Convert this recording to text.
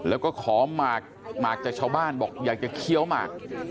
แล้วก็ขอหมากจากชาวบ้านบอกอยากจะเคี้ยวหมาก